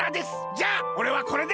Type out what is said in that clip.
じゃあおれはこれで！